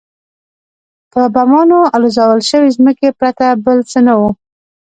په بمانو الوزول شوې ځمکې پرته بل څه نه وو.